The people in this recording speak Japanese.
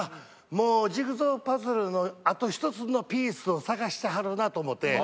もうジグソーパズルのあと１つのピースを探してはるなと思って。